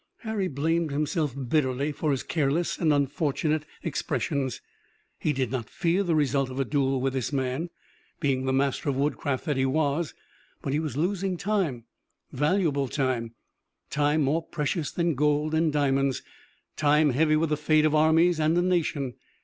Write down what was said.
Harry blamed himself bitterly for his careless and unfortunate expressions. He did not fear the result of a duel with this man, being the master of woodcraft that he was, but he was losing time, valuable time, time more precious than gold and diamonds, time heavy with the fate of armies and a nation.